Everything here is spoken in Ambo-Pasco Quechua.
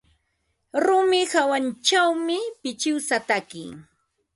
Rumi hawanćhawmi pichiwsa taki.